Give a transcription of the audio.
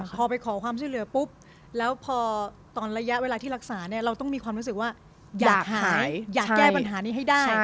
อยากแก้ปัญหานี้ให้ได้